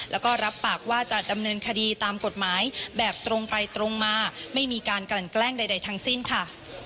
แล้วก็รับปากว่าจะดำเนินคดีตามกฎหมายแบบตรงไปตรงมาไม่มีการกลั่นแกล้งใดทั้งสิ้นค่ะ